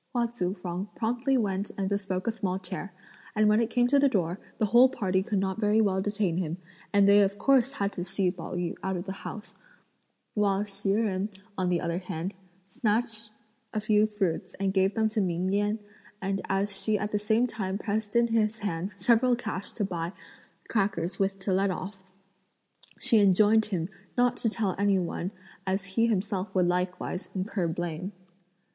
Hua Tzu fang promptly went and bespoke a small chair; and when it came to the door, the whole party could not very well detain him, and they of course had to see Pao yü out of the house; while Hsi Jen, on the other hand, snatched a few fruits and gave them to Ming Yen; and as she at the same time pressed in his hand several cash to buy crackers with to let off, she enjoined him not to tell any one as he himself would likewise incur blame.